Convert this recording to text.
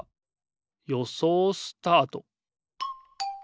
よそうスタート！